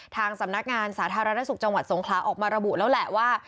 ทางสำนักงานสาธารณสุขจังหวัดสงขลาออกมาระบุแล้วแหละว่า